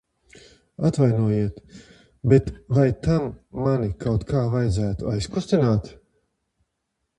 Atvainojiet, bet vai tam mani kaut kā vajadzētu aizkustināt?